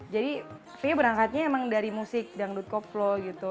jadi fia berangkatnya emang dari musik dangdut koplo gitu